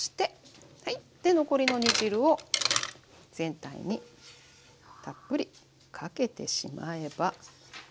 はいで残りの煮汁を全体にたっぷりかけてしまえば。